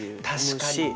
確かにね。